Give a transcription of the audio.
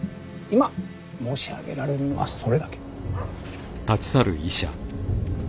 今申し上げられるのはそれだけ。